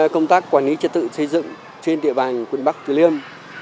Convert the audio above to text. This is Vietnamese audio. công tác quản lý trật tự xây dựng trên địa bàn quận bắc từ liêm